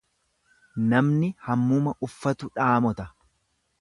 Namni hammuma uffatu dhaamota.